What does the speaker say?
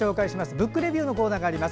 「ブックレビュー」のコーナーがあります。